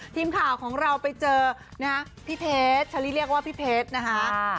ทีมข่าวของเราไปเจอพี่เพชรฉลิเรียกว่าพี่เพชร